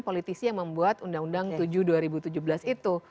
politisi yang membuat undang undang tujuh dua ribu tujuh belas itu